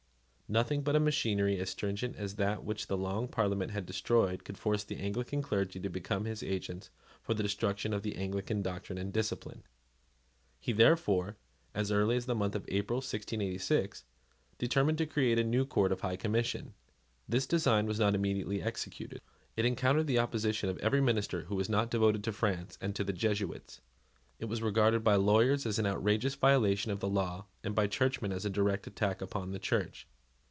Nothing but a machinery as stringent as that which the Long Parliament had destroyed could force the Anglican clergy to become his agents for the destruction of the Anglican doctrine and discipline. He therefore, as early as the month of April 1686, determined to create a new Court of High Commission. This design was not immediately executed. It encountered the opposition of every minister who was not devoted to France and to the Jesuits. It was regarded by lawyers as an outrageous violation of the law, and by Churchmen as a direct attack upon the Church.